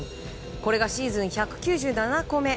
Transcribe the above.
これがシーズン１９７個目。